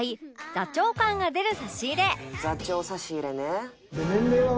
「座長差し入れね」